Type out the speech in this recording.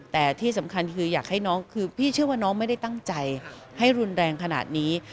แต่ที่สำคัญคืออยากให้น้องคือพี่เชื่อว่าน้องไม่ได้ตั้งใจให้รุนแรงขนาดนี้